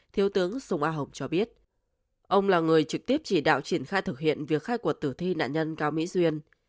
thiếu tướng sùng a hồng cho biết ông là người trực tiếp chỉ đạo triển khai thực hiện việc khai quật tử thi nạn nhân cao mỹ duyên